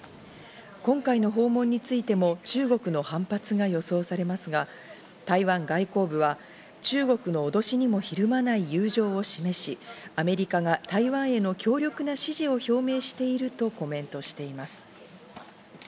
今回の訪問についても中国の反発が予想されますが、台湾外交部は中国の脅しにもひるまない友情を示し、アメリカが台湾への強力な支持を表明しているとコメントしています。